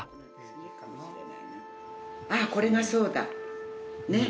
ああこれがそうだ！ねえ？